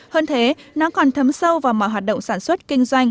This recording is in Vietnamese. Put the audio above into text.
hơn thế nó còn thấm sâu vào mọi hoạt động sản xuất kinh doanh